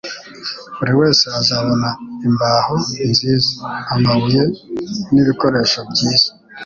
Buri wese azabona imbaho nziza, amabuye n'ibikoresho byiza